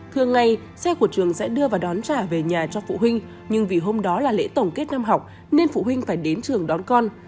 thường ngày xe của trường sẽ đưa và đón trả về nhà cho phụ huynh nhưng vì hôm đó là lễ tổng kết năm học nên phụ huynh phải đến trường đón con